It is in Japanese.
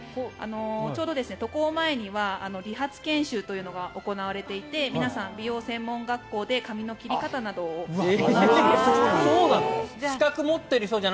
ちょうど渡航前には理髪研修というのが行われていて皆さん、美容専門学校で髪の切り方などを学んでくるそうです。